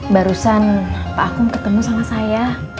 barusan pak agung ketemu sama saya